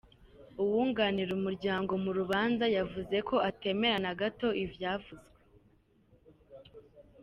Uwunganira umuryango mu rubanza yavuze ko atemera na gato ivyavuzwe.